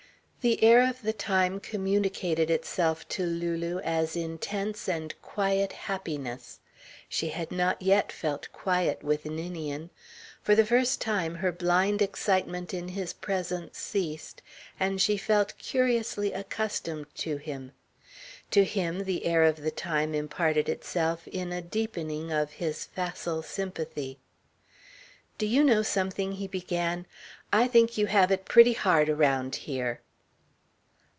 The air of the time communicated itself to Lulu as intense and quiet happiness. She had not yet felt quiet with Ninian. For the first time her blind excitement in his presence ceased, and she felt curiously accustomed to him. To him the air of the time imparted itself in a deepening of his facile sympathy. "Do you know something?" he began. "I think you have it pretty hard around here."